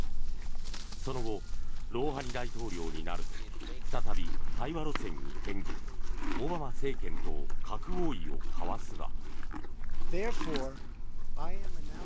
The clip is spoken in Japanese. その後、ロウハニ大統領になると再び対話路線に転じオバマ政権と核合意を交わすが。